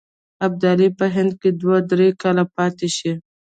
ابدالي په هند کې دوه درې کاله پاته شي.